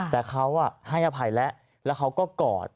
แต่เขาให้อภัยแล้วแล้วเขาก็กอด